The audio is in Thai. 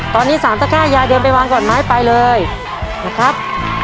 ตอนนี้สามตะก้ายายเดินไปวางก่อนไหมไปเลยนะครับ